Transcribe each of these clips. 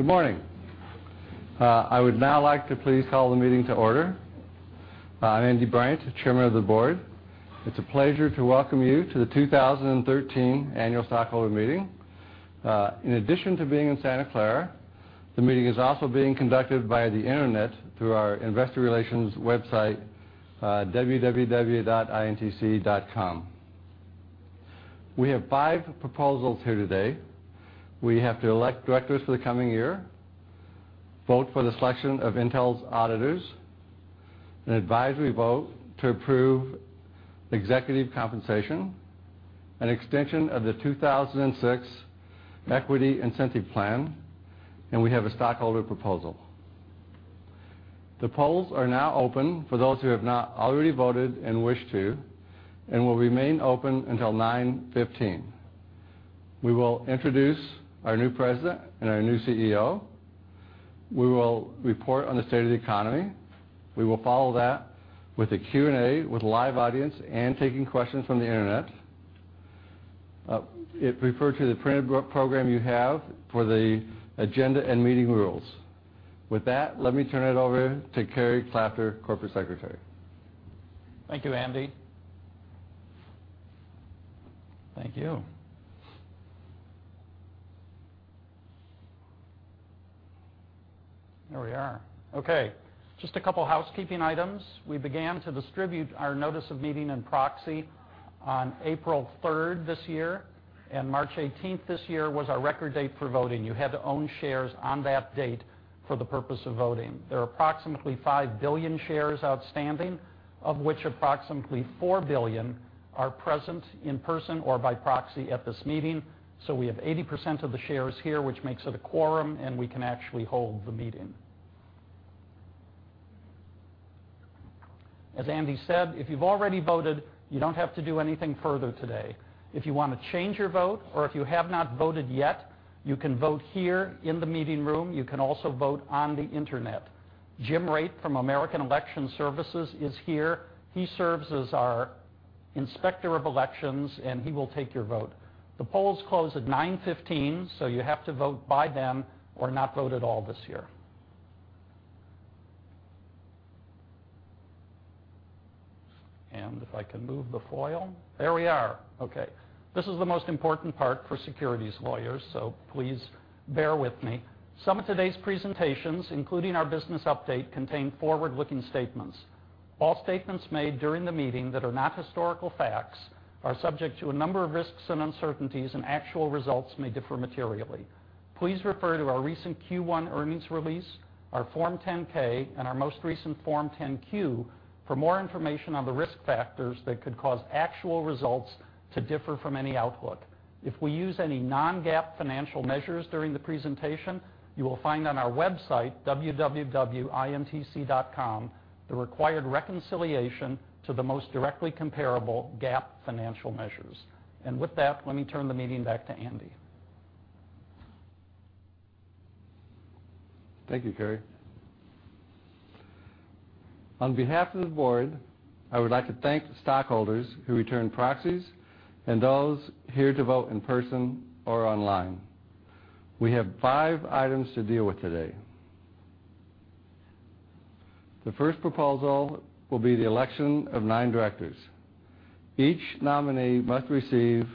Good morning. I would now like to please call the meeting to order. I'm Andy Bryant, the chairman of the board. It's a pleasure to welcome you to the 2013 annual stockholder meeting. In addition to being in Santa Clara, the meeting is also being conducted via the internet through our investor relations website, www.intc.com. We have five proposals here today. We have to elect directors for the coming year, vote for the selection of Intel's auditors, an advisory vote to approve executive compensation, an extension of the 2006 Equity Incentive Plan, and we have a stockholder proposal. The polls are now open for those who have not already voted and wish to and will remain open until 9:15 A.M. We will introduce our new president and our new CEO. We will report on the state of the economy. We will follow that with a Q&A with a live audience and taking questions from the internet. Refer to the printed program you have for the agenda and meeting rules. With that, let me turn it over to Cary Klafter, corporate secretary. Thank you, Andy. Thank you. Here we are. Okay, just a couple of housekeeping items. We began to distribute our notice of meeting and proxy on April 3rd this year, and March 18th this year was our record date for voting. You had to own shares on that date for the purpose of voting. There are approximately five billion shares outstanding, of which approximately four billion are present in person or by proxy at this meeting. So we have 80% of the shares here, which makes it a quorum, and we can actually hold the meeting. As Andy said, if you've already voted, you don't have to do anything further today. If you want to change your vote or if you have not voted yet, you can vote here in the meeting room. You can also vote on the internet. Jim Raitt from American Election Services is here. He serves as our inspector of elections, and he will take your vote. The polls close at 9:15 A.M., so you have to vote by then or not vote at all this year. If I can move the foil. There we are. Okay. This is the most important part for securities lawyers, so please bear with me. Some of today's presentations, including our business update, contain forward-looking statements. All statements made during the meeting that are not historical facts are subject to a number of risks and uncertainties, and actual results may differ materially. Please refer to our recent Q1 earnings release, our Form 10-K, and our most recent Form 10-Q for more information on the risk factors that could cause actual results to differ from any outlook. If we use any non-GAAP financial measures during the presentation, you will find on our website, www.intc.com, the required reconciliation to the most directly comparable GAAP financial measures. With that, let me turn the meeting back to Andy. Thank you, Cary. On behalf of the board, I would like to thank the stockholders who returned proxies and those here to vote in person or online. We have five items to deal with today. The first proposal will be the election of nine directors. Each nominee must receive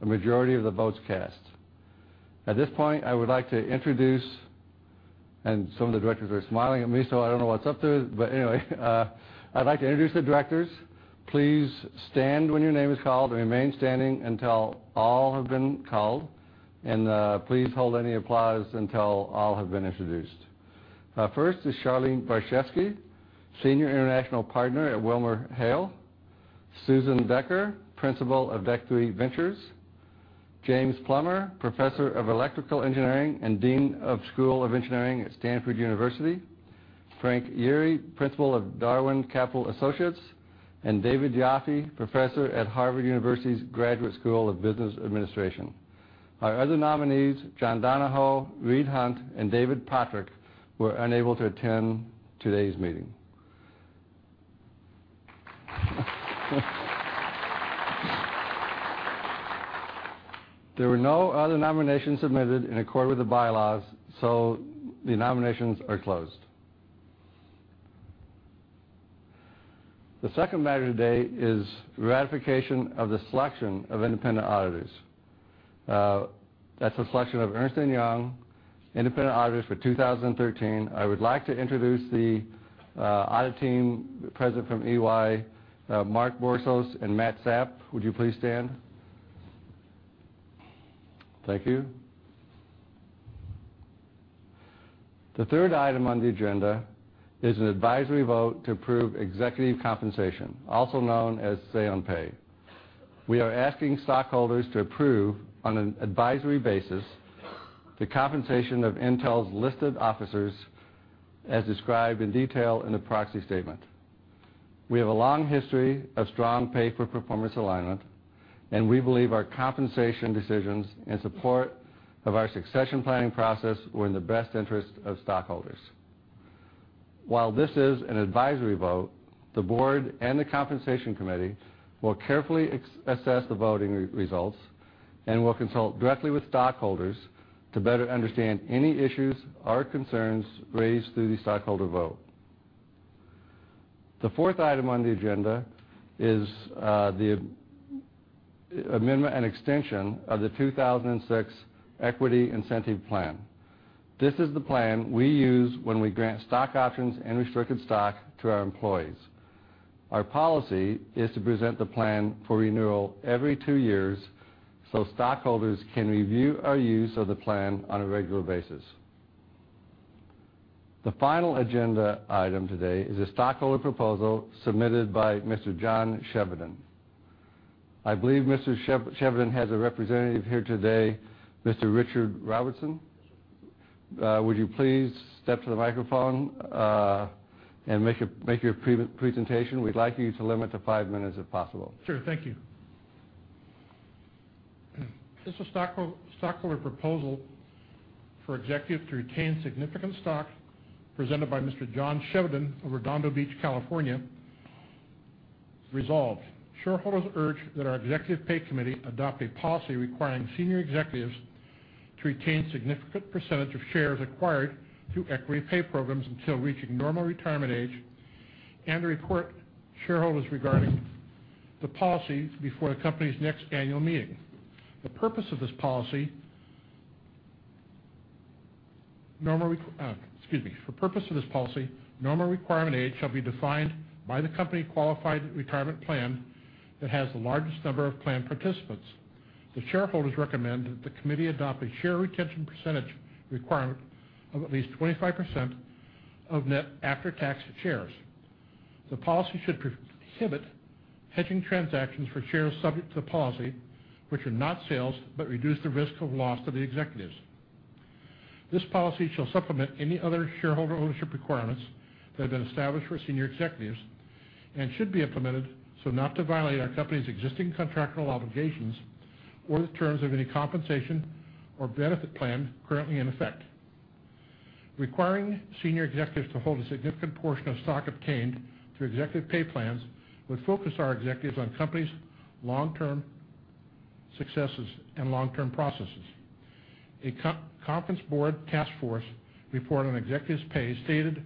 a majority of the votes cast. At this point, I would like to introduce some of the directors are smiling at me, so I don't know what's up there. Anyway, I'd like to introduce the directors. Please stand when your name is called and remain standing until all have been called. Please hold any applause until all have been introduced. First is Charlene Barshefsky, Senior International Partner at WilmerHale; Susan Decker, Principal of [Dekhti Ventures]; James Plummer, Professor of Electrical Engineering and Dean of School of Engineering at Stanford University; Frank Yeary, Principal of Darwin Capital Associates; and David Yoffie, Professor at Harvard University's Graduate School of Business Administration. Our other nominees, John Donahoe, Reed Hundt, and David Pottruck, were unable to attend today's meeting. There were no other nominations submitted in accord with the bylaws. The nominations are closed. The second matter today is ratification of the selection of independent auditors. That's the selection of Ernst & Young independent auditors for 2013. I would like to introduce the audit team present from EY, Mark Borsos and Matt Sapp. Would you please stand? Thank you. The third item on the agenda is an advisory vote to approve executive compensation, also known as say on pay. We are asking stockholders to approve on an advisory basis the compensation of Intel's listed officers as described in detail in the proxy statement. We have a long history of strong pay for performance alignment. We believe our compensation decisions in support of our succession planning process were in the best interest of stockholders. While this is an advisory vote, the board and the compensation committee will carefully assess the voting results and will consult directly with stockholders to better understand any issues or concerns raised through the stockholder vote. The fourth item on the agenda is the amendment and extension of the 2006 Equity Incentive Plan. This is the plan we use when we grant stock options and restricted stock to our employees. Our policy is to present the plan for renewal every two years. Stockholders can review our use of the plan on a regular basis. The final agenda item today is a stockholder proposal submitted by Mr. John Chevedden. I believe Mr. Chevedden has a representative here today, Mr. Richard Robertson. Would you please step to the microphone and make your presentation? We'd like you to limit to five minutes if possible. Sure. Thank you. This is a stockholder proposal for executives to retain significant stock presented by Mr. John Chevedden of Redondo Beach, California. Resolved, shareholders urge that our executive pay committee adopt a policy requiring senior executives to retain significant percentage of shares acquired through equity pay programs until reaching normal retirement age, and to report shareholders regarding the policy before the company's next annual meeting. For purpose of this policy, normal retirement age shall be defined by the company-qualified retirement plan that has the largest number of plan participants. The shareholders recommend that the committee adopt a share retention percentage requirement of at least 25% of net after-tax shares. The policy should prohibit hedging transactions for shares subject to the policy, which are not sales but reduce the risk of loss to the executives. This policy shall supplement any other shareholder ownership requirements that have been established for senior executives and should be implemented so not to violate our company's existing contractual obligations or the terms of any compensation or benefit plan currently in effect. Requiring senior executives to hold a significant portion of stock obtained through executive pay plans would focus our executives on company's long-term successes and long-term processes. A Conference Board task force report on executives pay stated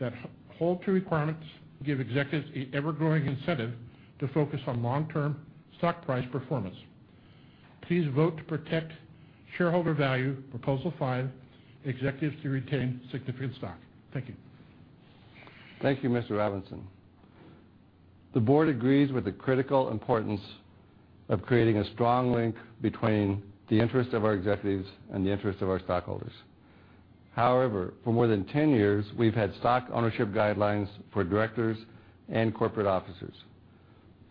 that hold-to requirements give executives an ever-growing incentive to focus on long-term stock price performance. Please vote to protect shareholder value, proposal five, executives to retain significant stock. Thank you. Thank you, Mr. Robertson. The board agrees with the critical importance of creating a strong link between the interests of our executives and the interests of our stockholders. For more than 10 years, we've had stock ownership guidelines for directors and corporate officers.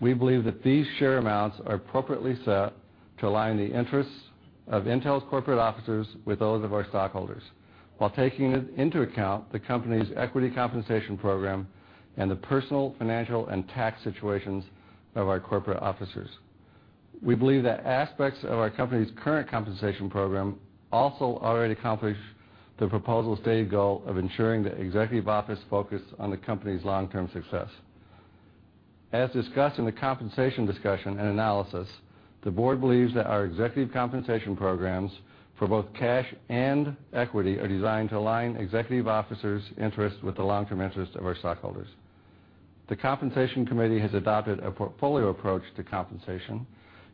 We believe that these share amounts are appropriately set to align the interests of Intel's corporate officers with those of our stockholders, while taking into account the company's equity compensation program and the personal financial and tax situations of our corporate officers. We believe that aspects of our company's current compensation program also already accomplish the proposal's stated goal of ensuring that executive office focus on the company's long-term success. As discussed in the compensation discussion and analysis, the board believes that our executive compensation programs for both cash and equity are designed to align executive officers interests with the long-term interests of our stockholders. The compensation committee has adopted a portfolio approach to compensation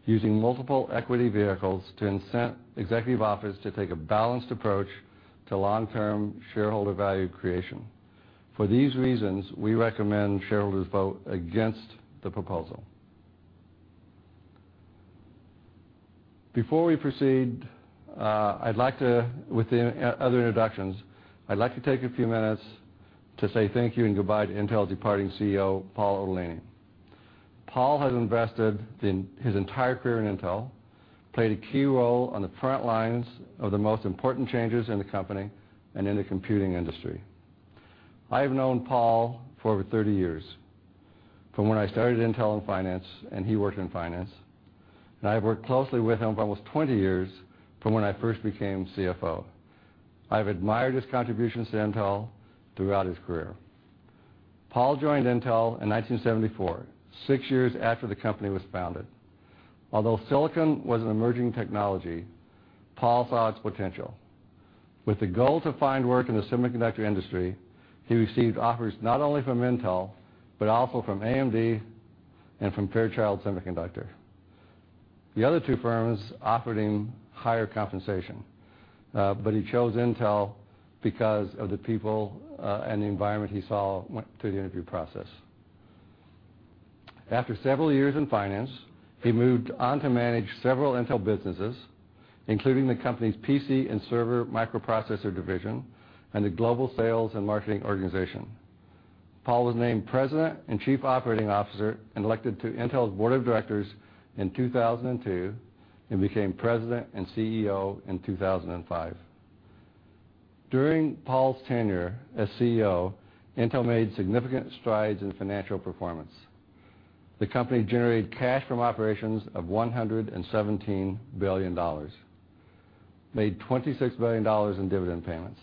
using multiple equity vehicles to incent executive office to take a balanced approach to long-term shareholder value creation. For these reasons, we recommend shareholders vote against the proposal. Before we proceed with the other introductions, I'd like to take a few minutes to say thank you and goodbye to Intel's departing CEO, Paul Otellini. Paul has invested his entire career in Intel, played a key role on the front lines of the most important changes in the company and in the computing industry. I've known Paul for over 30 years, from when I started Intel in finance, and he worked in finance, and I've worked closely with him for almost 20 years from when I first became CFO. I've admired his contributions to Intel throughout his career. Paul joined Intel in 1974, six years after the company was founded. Although silicon was an emerging technology, Paul saw its potential. With the goal to find work in the semiconductor industry, he received offers not only from Intel, but also from AMD and from Fairchild Semiconductor. He chose Intel because of the people and the environment he saw through the interview process. After several years in finance, he moved on to manage several Intel businesses, including the company's PC and server microprocessor division and the global sales and marketing organization. Paul was named President and Chief Operating Officer and elected to Intel's Board of Directors in 2002 and became President and CEO in 2005. During Paul's tenure as CEO, Intel made significant strides in financial performance. The company generated cash from operations of $117 billion. Made $26 billion in dividend payments.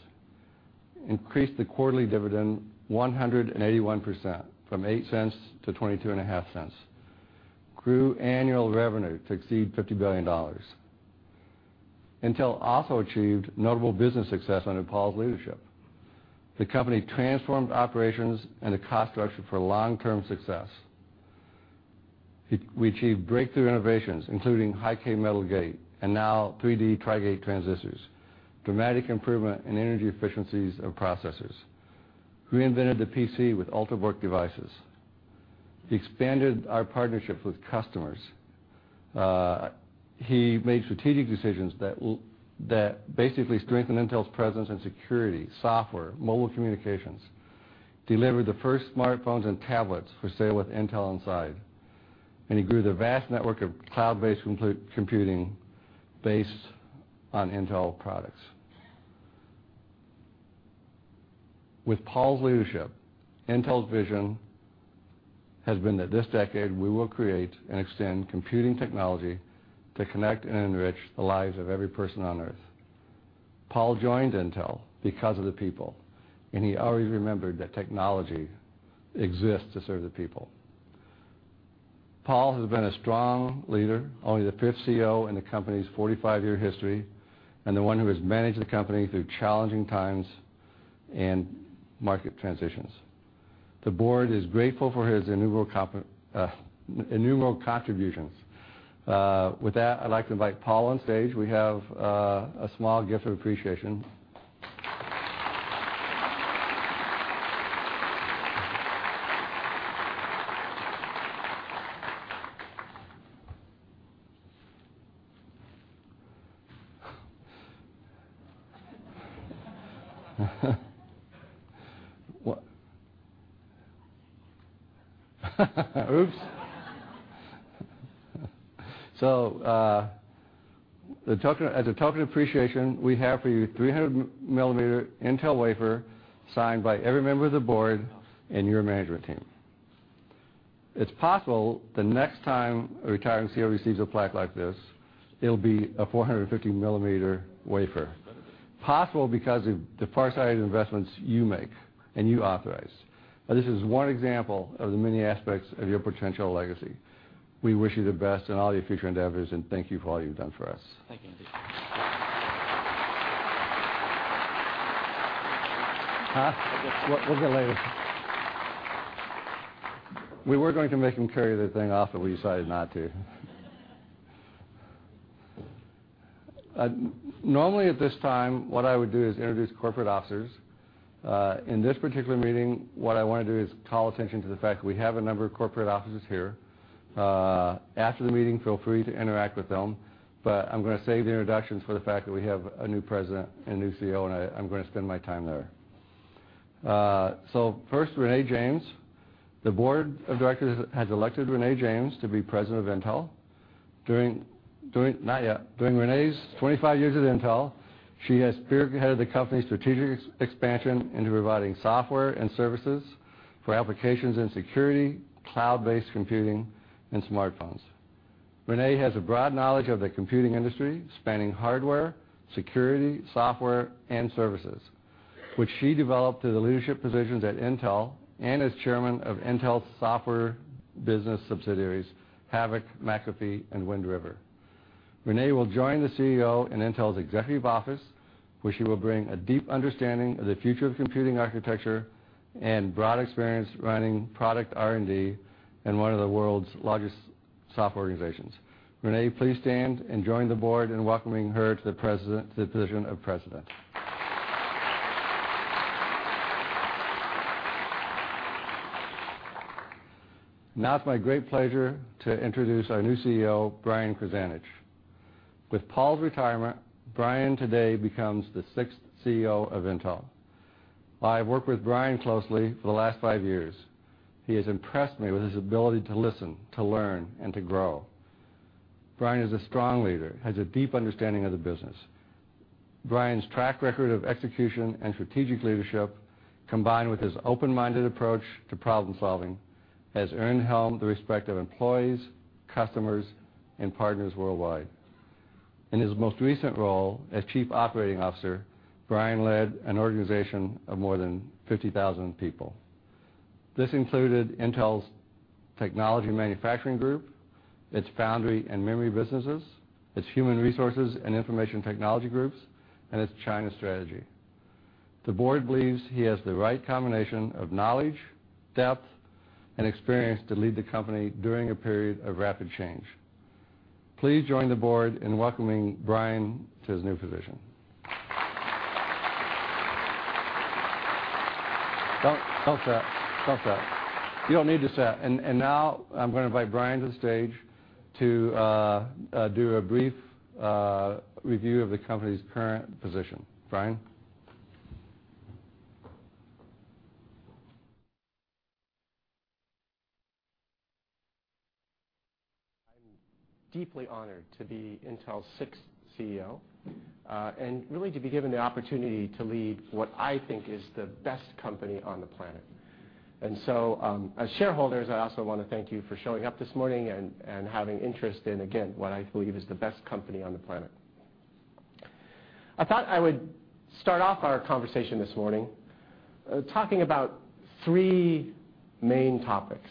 Increased the quarterly dividend 181%, from $0.08 to $0.225. Grew annual revenue to exceed $50 billion. Intel also achieved notable business success under Paul's leadership. The company transformed operations and the cost structure for long-term success. We achieved breakthrough innovations, including High-K metal gate, now 3D Tri-Gate transistors, dramatic improvement in energy efficiencies of processors. Reinvented the PC with Ultrabook devices. Expanded our partnerships with customers. He made strategic decisions that basically strengthen Intel's presence in security, software, mobile communications. Delivered the first smartphones and tablets for sale with Intel Inside. He grew the vast network of cloud-based computing based on Intel products. With Paul's leadership, Intel's vision has been that this decade we will create and extend computing technology to connect and enrich the lives of every person on Earth. Paul joined Intel because of the people. He always remembered that technology exists to serve the people. Paul has been a strong leader, only the fifth CEO in the company's 45-year history. He is the one who has managed the company through challenging times and market transitions. The board is grateful for his innumerable contributions. With that, I'd like to invite Paul on stage. We have a small gift of appreciation. What? Oops. As a token of appreciation, we have for you a 300-millimeter Intel wafer signed by every member of the board and your management team. It's possible the next time a retiring CEO receives a plaque like this, it'll be a 450-millimeter wafer. Possible because of the farsighted investments you make and you authorize. This is one example of the many aspects of your potential legacy. We wish you the best in all your future endeavors. Thank you for all you've done for us. Thank you. Huh? We'll get later. We were going to make him carry the thing off, but we decided not to. Normally at this time, what I would do is introduce corporate officers. In this particular meeting, what I want to do is call attention to the fact that we have a number of corporate officers here. After the meeting, feel free to interact with them, but I'm going to save the introductions for the fact that we have a new President and new CEO, and I'm going to spend my time there. First, Renée James. The board of directors has elected Renée James to be President of Intel. Not yet. During Renée's 25 years at Intel, she has spearheaded the company's strategic expansion into providing software and services for applications in security, cloud-based computing, and smartphones. Renée has a broad knowledge of the computing industry, spanning hardware, security, software, and services, which she developed through the leadership positions at Intel and as chairman of Intel's software business subsidiaries, Havok, McAfee, and Wind River. Renée will join the CEO in Intel's executive office, where she will bring a deep understanding of the future of computing architecture and broad experience running product R&D in one of the world's largest software organizations. Renée, please stand and join the board in welcoming her to the position of President. Now it's my great pleasure to introduce our new CEO, Brian Krzanich. With Paul's retirement, Brian today becomes the sixth CEO of Intel. I have worked with Brian closely for the last five years. He has impressed me with his ability to listen, to learn, and to grow. Brian is a strong leader, has a deep understanding of the business. Brian's track record of execution and strategic leadership, combined with his open-minded approach to problem-solving, has earned him the respect of employees, customers, and partners worldwide. In his most recent role as Chief Operating Officer, Brian led an organization of more than 50,000 people. This included Intel's Technology and Manufacturing Group, its foundry and memory businesses, its human resources and information technology groups, and its China strategy. The board believes he has the right combination of knowledge, depth, and experience to lead the company during a period of rapid change. Please join the board in welcoming Brian to his new position. Don't sit. You don't need to sit. Now I'm going to invite Brian to the stage to do a brief review of the company's current position. Brian? I'm deeply honored to be Intel's sixth CEO, and really to be given the opportunity to lead what I think is the best company on the planet. As shareholders, I also want to thank you for showing up this morning and having interest in, again, what I believe is the best company on the planet. I thought I would start off our conversation this morning talking about three main topics.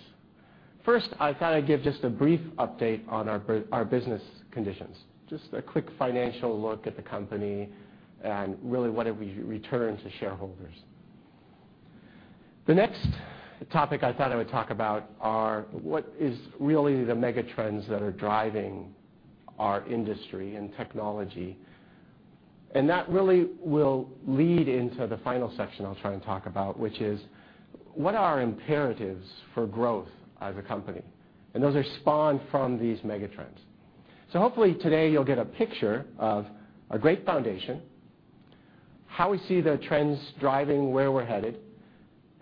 First, I thought I'd give just a brief update on our business conditions, just a quick financial look at the company, and really what did we return to shareholders. The next topic I thought I would talk about are what is really the mega trends that are driving our industry and technology, and that really will lead into the final section I'll try and talk about, which is what are our imperatives for growth as a company, and those are spawned from these mega trends. Hopefully today you'll get a picture of a great foundation, how we see the trends driving where we're headed,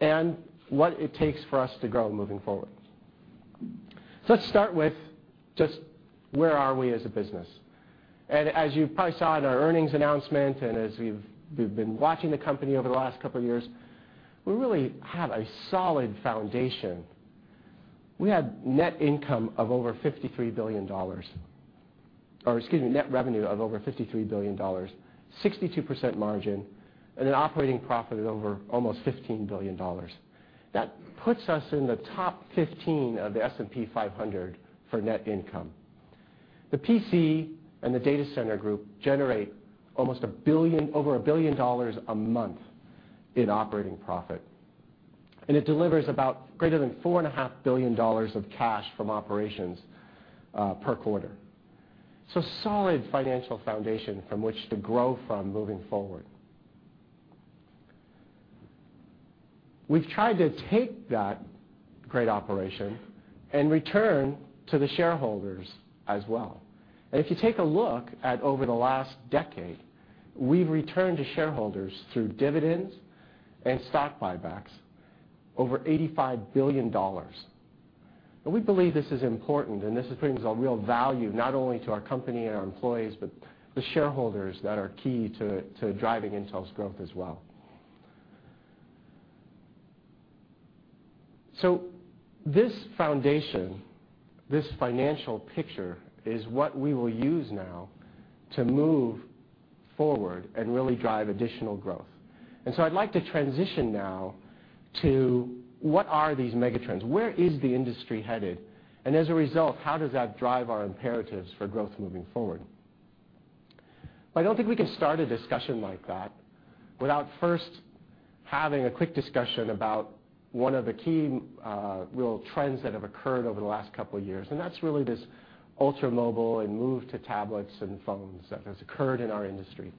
and what it takes for us to grow moving forward. Let's start with just where are we as a business. As you probably saw in our earnings announcement and as you've been watching the company over the last couple of years, we really have a solid foundation. We have net revenue of over $53 billion, 62% margin, and an operating profit of over almost $15 billion. That puts us in the top 15 of the S&P 500 for net income. The PC Client Group and the Data Center Group generate over $1 billion a month in operating profit, and it delivers about greater than $4.5 billion of cash from operations per quarter. Solid financial foundation from which to grow from moving forward. We've tried to take that great operation and return to the shareholders as well. If you take a look at over the last decade, we've returned to shareholders through dividends and stock buybacks over $85 billion. We believe this is important, and this brings a real value not only to our company and our employees, but the shareholders that are key to driving Intel's growth as well. This foundation, this financial picture, is what we will use now to move forward and really drive additional growth. I'd like to transition now to what are these mega trends. Where is the industry headed. As a result, how does that drive our imperatives for growth moving forward. I don't think we can start a discussion like that without first having a quick discussion about one of the key real trends that have occurred over the last couple of years, and that's really this ultra-mobile and move to tablets and phones that has occurred in our industry.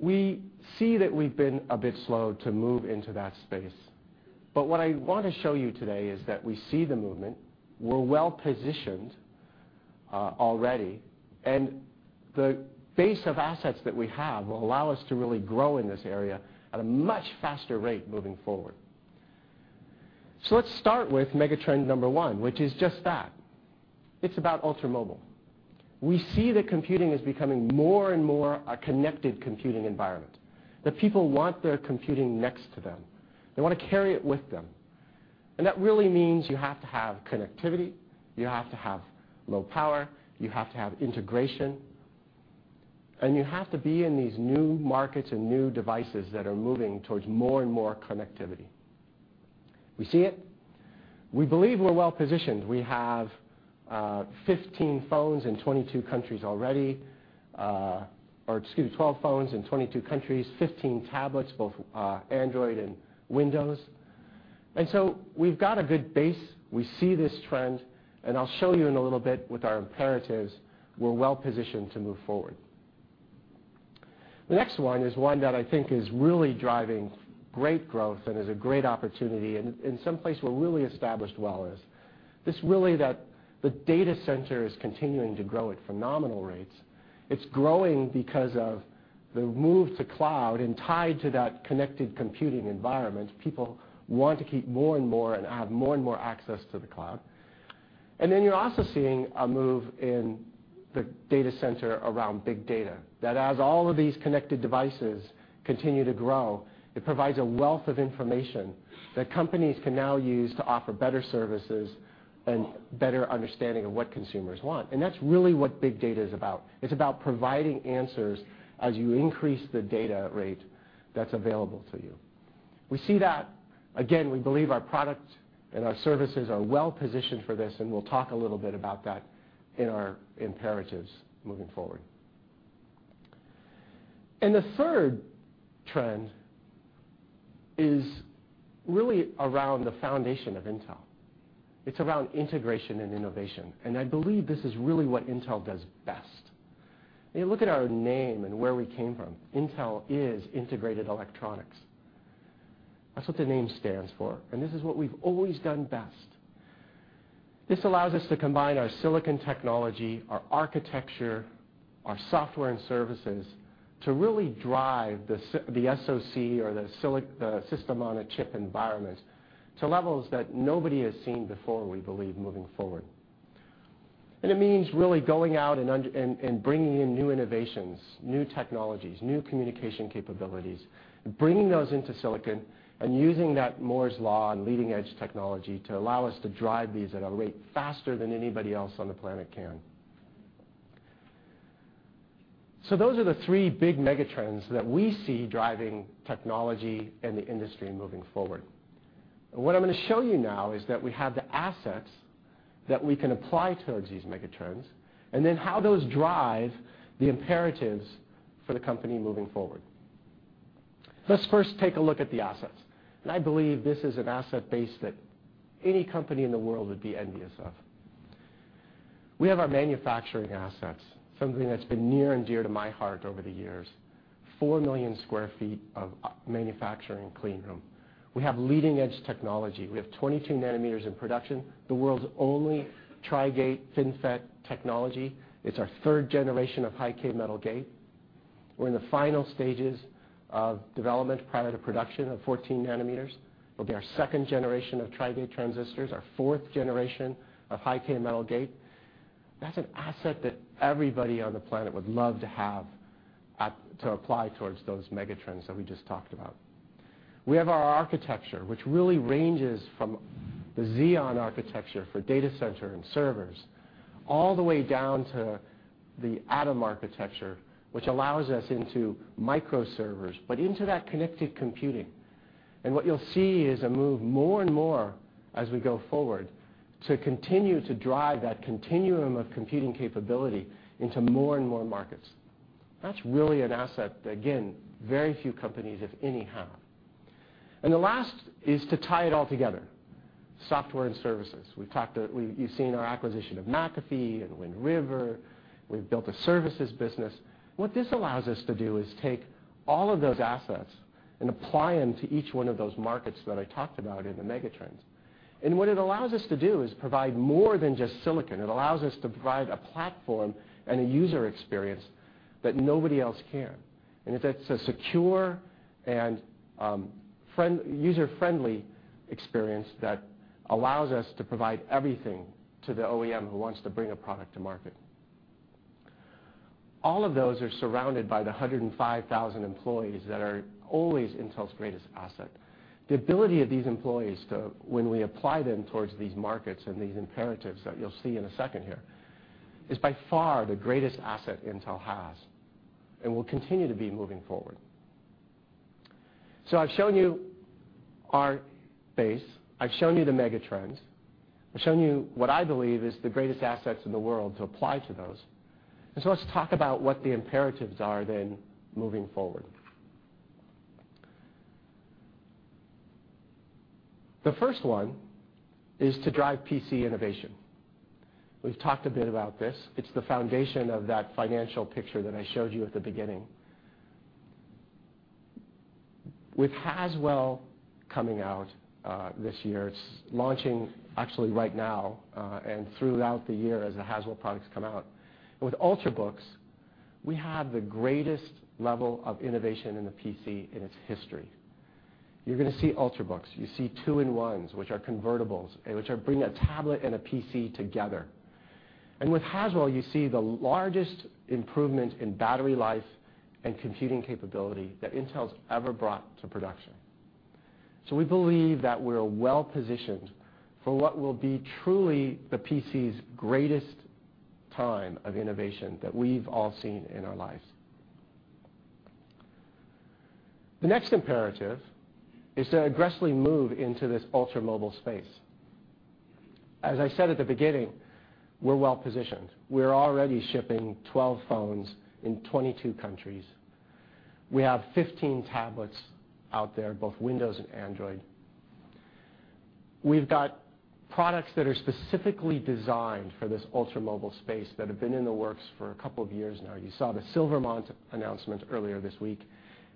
We see that we've been a bit slow to move into that space, but what I want to show you today is that we see the movement, we're well-positioned already, and the base of assets that we have will allow us to really grow in this area at a much faster rate moving forward. Let's start with mega trend number 1, which is just that. It's about ultra-mobile. We see that computing is becoming more and more a connected computing environment, that people want their computing next to them. They want to carry it with them. That really means you have to have connectivity, you have to have low power, you have to have integration, and you have to be in these new markets and new devices that are moving towards more and more connectivity. We see it. We believe we're well-positioned. We have 12 phones in 22 countries, 15 tablets, both Android and Windows. We've got a good base. We see this trend, and I'll show you in a little bit with our imperatives, we're well-positioned to move forward. The next one is one that I think is really driving great growth and is a great opportunity, and someplace we're really established well is. This really that the data center is continuing to grow at phenomenal rates. It's growing because of the move to cloud, and tied to that connected computing environment, people want to keep more and more and have more and more access to the cloud. You're also seeing a move in the data center around big data, that as all of these connected devices continue to grow, it provides a wealth of information that companies can now use to offer better services and better understanding of what consumers want. That's really what big data is about. It's about providing answers as you increase the data rate that's available to you. We see that. Again, we believe our product and our services are well-positioned for this, we'll talk a little bit about that in our imperatives moving forward. The third trend is really around the foundation of Intel. It's around integration and innovation, I believe this is really what Intel does best. Look at our name and where we came from. Intel is integrated electronics. That's what the name stands for, this is what we've always done best. This allows us to combine our silicon technology, our architecture, our software and services to really drive the SoC or the system on a chip environment to levels that nobody has seen before, we believe, moving forward. It means really going out and bringing in new innovations, new technologies, new communication capabilities, and bringing those into silicon and using that Moore's Law and leading-edge technology to allow us to drive these at a rate faster than anybody else on the planet can. Those are the three big megatrends that we see driving technology and the industry moving forward. What I'm going to show you now is that we have the assets that we can apply towards these megatrends, how those drive the imperatives for the company moving forward. Let's first take a look at the assets, I believe this is an asset base that any company in the world would be envious of. We have our manufacturing assets, something that's been near and dear to my heart over the years, 4 million sq ft of manufacturing clean room. We have leading-edge technology. We have 22 nanometers in production, the world's only Tri-Gate FinFET technology. It's our third generation of High-k metal gate. We're in the final stages of development prior to production of 14 nanometers. It will be our second generation of Tri-Gate transistors, our fourth generation of High-k metal gate. That is an asset that everybody on the planet would love to have to apply towards those megatrends that we just talked about. We have our architecture, which really ranges from the Xeon architecture for Data Center Group and servers, all the way down to the Atom architecture, which allows us into microservers, but into that connected computing. What you will see is a move more and more as we go forward to continue to drive that continuum of computing capability into more and more markets. That is really an asset, again, very few companies, if any, have. The last is to tie it all together, software and services. You have seen our acquisition of McAfee and Wind River. We have built a services business. What this allows us to do is take all of those assets and apply them to each one of those markets that I talked about in the megatrends. What it allows us to do is provide more than just silicon. It allows us to provide a platform and a user experience that nobody else can. It is a secure and user-friendly experience that allows us to provide everything to the OEM who wants to bring a product to market. All of those are surrounded by the 105,000 employees that are always Intel's greatest asset. The ability of these employees to, when we apply them towards these markets and these imperatives that you will see in a second here, is by far the greatest asset Intel has and will continue to be moving forward. So I have shown you our base. I have shown you the megatrends. I have shown you what I believe is the greatest assets in the world to apply to those. Let us talk about what the imperatives are then moving forward. The first one is to drive PC innovation. We have talked a bit about this. It is the foundation of that financial picture that I showed you at the beginning. With Haswell coming out this year, it is launching actually right now and throughout the year as the Haswell products come out. With Ultrabooks, we have the greatest level of innovation in the PC in its history. You are going to see Ultrabooks. You see two-in-ones, which are convertibles, which are bringing a tablet and a PC together. With Haswell, you see the largest improvement in battery life and computing capability that Intel has ever brought to production. So we believe that we are well-positioned for what will be truly the PC's greatest time of innovation that we have all seen in our lives. The next imperative is to aggressively move into this ultra-mobile space. As I said at the beginning, we are well-positioned. We are already shipping 12 phones in 22 countries. We have 15 tablets out there, both Windows and Android. We have got products that are specifically designed for this ultra-mobile space that have been in the works for a couple of years now. You saw the Silvermont announcement earlier this week.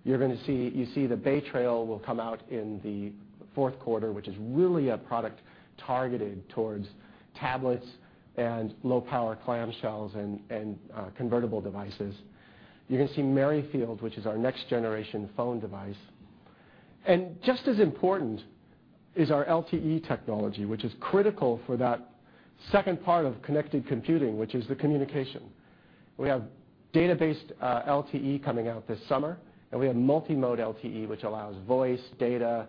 You see the Bay Trail will come out in the fourth quarter, which is really a product targeted towards tablets and low-power clamshells and convertible devices. You are going to see Merrifield, which is our next-generation phone device. Just as important is our LTE technology, which is critical for that second part of connected computing, which is the communication. We have data-based LTE coming out this summer, and we have multi-mode LTE, which allows voice, data,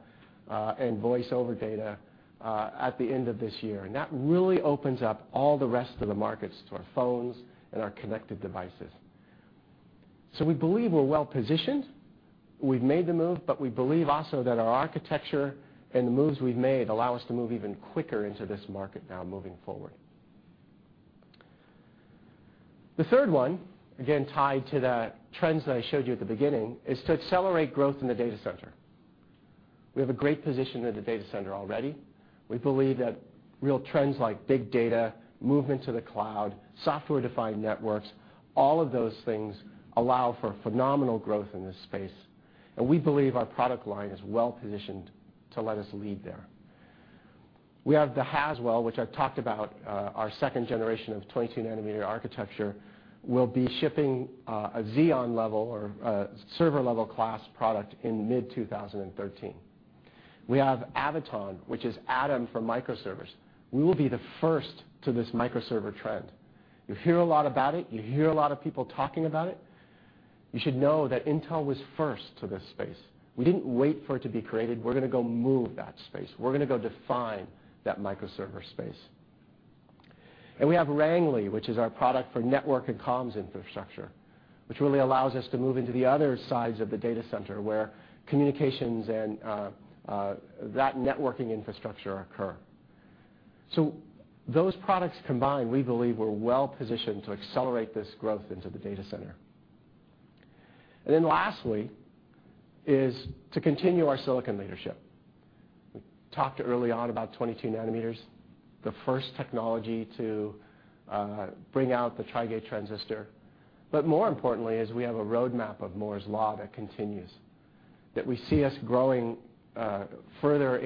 and voiceover data at the end of this year. That really opens up all the rest of the markets to our phones and our connected devices. We believe we're well-positioned. We've made the move, but we believe also that our architecture and the moves we've made allow us to move even quicker into this market now moving forward. The third one, again, tied to the trends that I showed you at the beginning, is to accelerate growth in the data center. We have a great position in the data center already. We believe that real trends like big data, movement to the cloud, software-defined networks, all of those things allow for phenomenal growth in this space. We believe our product line is well-positioned to let us lead there. We have the Haswell, which I've talked about, our second generation of 22 nanometer architecture, will be shipping a Xeon level or a server-level class product in mid-2013. We have Avoton, which is Atom for microservers. We will be the first to this microserver trend. You hear a lot about it. You hear a lot of people talking about it. You should know that Intel was first to this space. We didn't wait for it to be created. We're going to go move that space. We're going to go define that microserver space. We have Rangeley, which is our product for network and comms infrastructure, which really allows us to move into the other sides of the data center, where communications and that networking infrastructure occur. Those products combined, we believe, we're well-positioned to accelerate this growth into the data center. Lastly is to continue our silicon leadership. We talked early on about 22 nanometers, the first technology to bring out the Tri-Gate transistor. But more importantly is we have a roadmap of Moore's Law that continues, that we see us growing further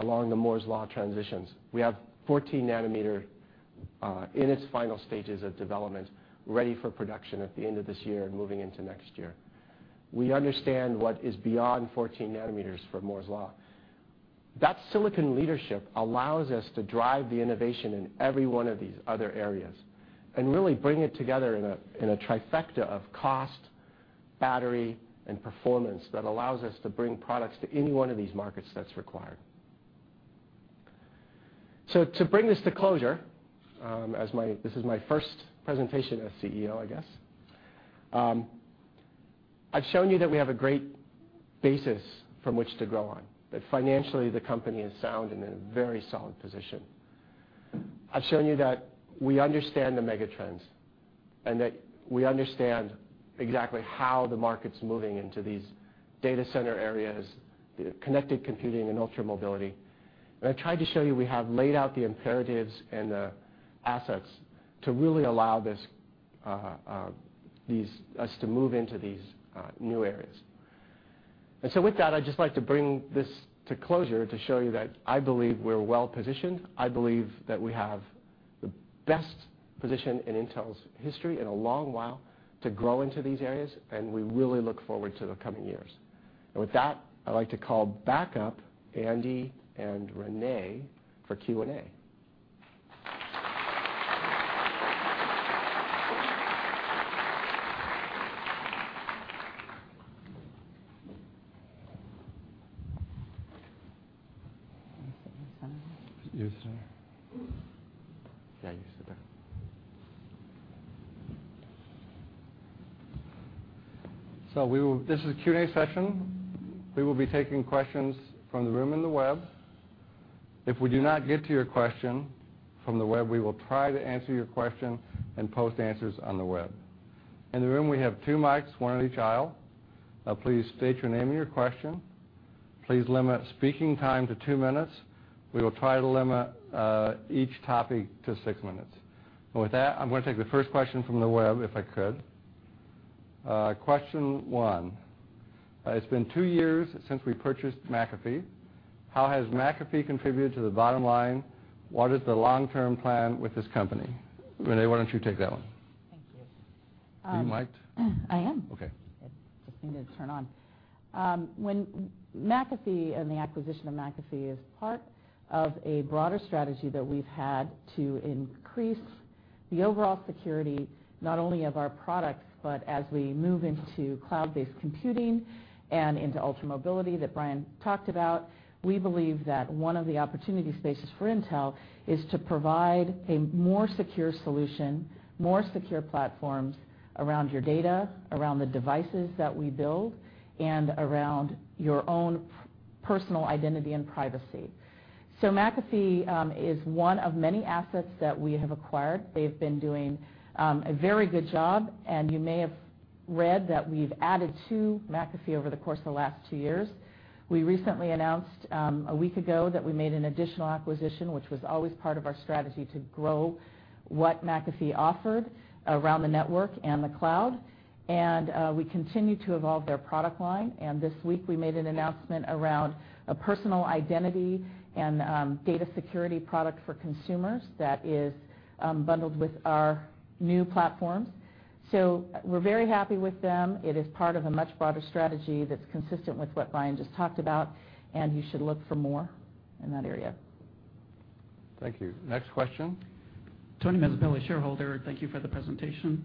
along the Moore's Law transitions. We have 14 nanometer in its final stages of development, ready for production at the end of this year and moving into next year. We understand what is beyond 14 nanometers for Moore's Law. That silicon leadership allows us to drive the innovation in every one of these other areas and really bring it together in a trifecta of cost, battery, and performance that allows us to bring products to any one of these markets that's required. To bring this to closure, as this is my first presentation as CEO, I guess, I've shown you that we have a great basis from which to grow on, that financially, the company is sound and in a very solid position. I've shown you that we understand the mega trends and that we understand exactly how the market's moving into these data center areas, connected computing, and ultra-mobility. I tried to show you we have laid out the imperatives and the assets to really allow us to move into these new areas. With that, I'd just like to bring this to closure to show you that I believe we're well-positioned. I believe that we have the best position in Intel's history in a long while to grow into these areas, and we really look forward to the coming years. With that, I'd like to call back up Andy and Renée for Q&A. You sit on this side. You sit there. Yeah, you sit there. This is the Q&A session. We will be taking questions from the room and the web. If we do not get to your question from the web, we will try to answer your question and post answers on the web. In the room, we have two mics, one in each aisle. Please state your name and your question. Please limit speaking time to two minutes. We will try to limit each topic to six minutes. With that, I'm going to take the first question from the web, if I could. Question one, it's been two years since we purchased McAfee. How has McAfee contributed to the bottom line? What is the long-term plan with this company? Renée, why don't you take that one? Thank you. Are you mic'd? I am. Okay. It just needed to turn on. McAfee and the acquisition of McAfee is part of a broader strategy that we've had to increase the overall security not only of our products but as we move into cloud-based computing and into ultra-mobility that Brian talked about. We believe that one of the opportunity spaces for Intel is to provide a more secure solution, more secure platforms around your data, around the devices that we build, and around your own personal identity and privacy. McAfee is one of many assets that we have acquired. They've been doing a very good job, and you may have read that we've added to McAfee over the course of the last two years. We recently announced, a week ago, that we made an additional acquisition, which was always part of our strategy to grow what McAfee offered around the network and the cloud, and we continue to evolve their product line. This week, we made an announcement around a personal identity and data security product for consumers that is bundled with our new platforms. We're very happy with them. It is part of a much broader strategy that's consistent with what Brian just talked about, and you should look for more in that area. Thank you. Next question. Tony Mazzapeli, shareholder. Thank you for the presentation.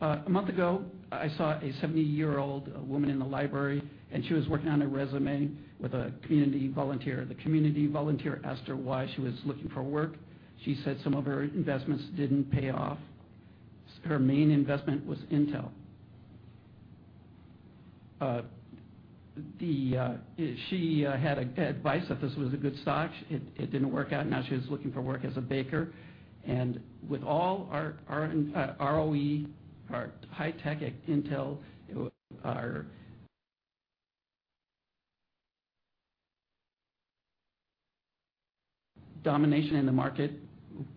A month ago, I saw a 70-year-old woman in the library, and she was working on a resume with a community volunteer. The community volunteer asked her why she was looking for work. She said some of her investments didn't pay off. Her main investment was Intel. She had advice that this was a good stock. It didn't work out. Now she was looking for work as a baker. With all our ROE, our high tech at Intel, our domination in the market,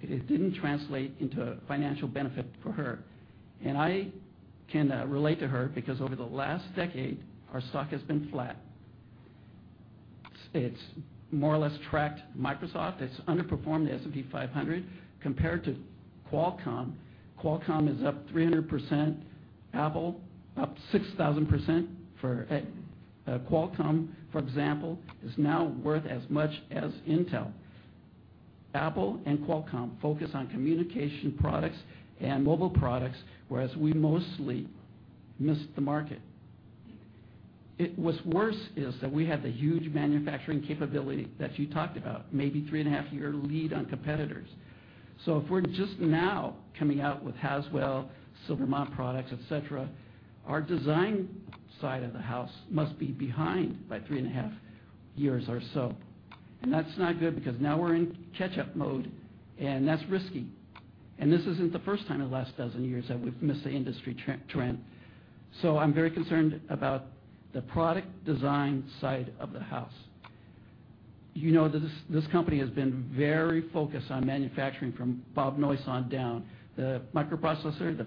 it didn't translate into financial benefit for her. I can relate to her because over the last decade, our stock has been flat. It's more or less tracked Microsoft. It's underperformed the S&P 500 compared to Qualcomm. Qualcomm is up 300%. Apple up 6,000%. Qualcomm, for example, is now worth as much as Intel. Apple and Qualcomm focus on communication products and mobile products, whereas we mostly missed the market. What's worse is that we have the huge manufacturing capability that you talked about, maybe three and a half year lead on competitors. If we're just now coming out with Haswell, Silvermont products, et cetera, our design side of the house must be behind by three and a half years or so. That's not good because now we're in catch-up mode, and that's risky. This isn't the first time in the last dozen years that we've missed an industry trend. I'm very concerned about the product design side of the house. This company has been very focused on manufacturing from Bob Noyce on down. The microprocessor, the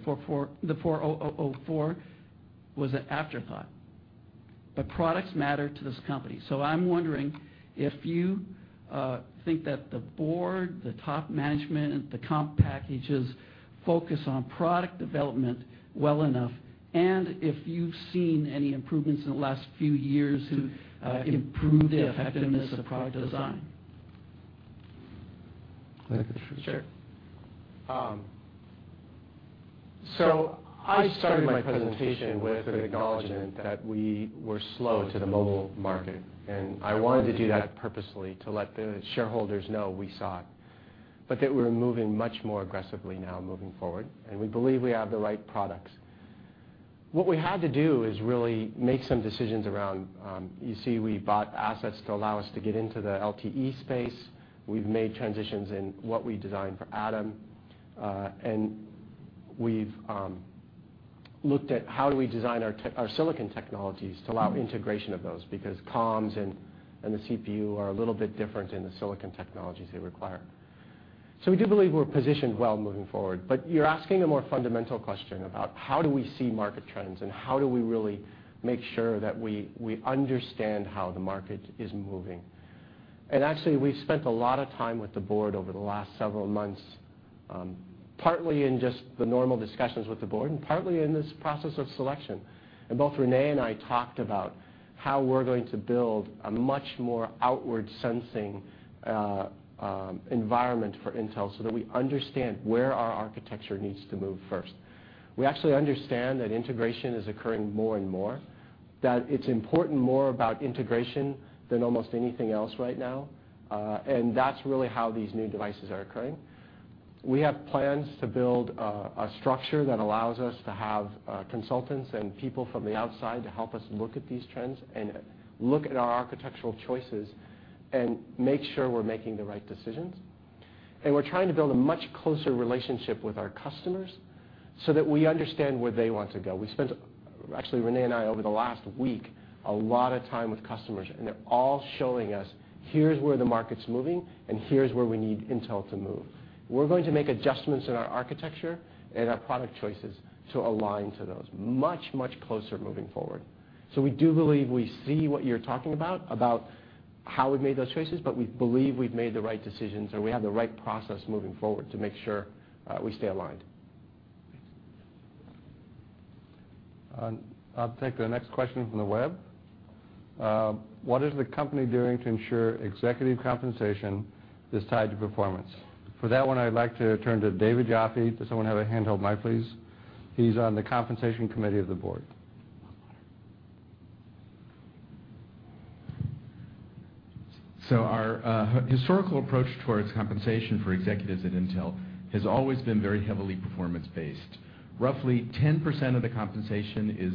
4004, was an afterthought, but products matter to this company. I'm wondering if you think that the board, the top management, the comp packages, focus on product development well enough, and if you've seen any improvements in the last few years to improve the effectiveness of product design. Go ahead, Krzanich. Sure. I started my presentation with an acknowledgment that we were slow to the mobile market, and I wanted to do that purposely to let the shareholders know we saw it, but that we're moving much more aggressively now moving forward, and we believe we have the right products. What we had to do is really make some decisions around You see, we bought assets to allow us to get into the LTE space. We've made transitions in what we design for Atom. We've looked at how do we design our silicon technologies to allow integration of those because comms and the CPU are a little bit different in the silicon technologies they require. We do believe we're positioned well moving forward. You're asking a more fundamental question about how do we see market trends and how do we really make sure that we understand how the market is moving. Actually, we've spent a lot of time with the board over the last several months, partly in just the normal discussions with the board and partly in this process of selection. Both Renée and I talked about how we're going to build a much more outward-sensing environment for Intel so that we understand where our architecture needs to move first. We actually understand that integration is occurring more and more, that it's important more about integration than almost anything else right now. That's really how these new devices are occurring. We have plans to build a structure that allows us to have consultants and people from the outside to help us look at these trends and look at our architectural choices and make sure we're making the right decisions. We're trying to build a much closer relationship with our customers so that we understand where they want to go. We spent, actually, Renée and I, over the last week, a lot of time with customers, and they're all showing us, here's where the market's moving and here's where we need Intel to move. We're going to make adjustments in our architecture and our product choices to align to those, much closer moving forward. We do believe we see what you're talking about how we've made those choices, but we believe we've made the right decisions, and we have the right process moving forward to make sure we stay aligned. Thanks. I'll take the next question from the web. What is the company doing to ensure executive compensation is tied to performance? For that one, I'd like to turn to David Yoffie. Does someone have a hand-held mic, please? He's on the compensation committee of the board. Our historical approach towards compensation for executives at Intel has always been very heavily performance-based. Roughly 10% of the compensation is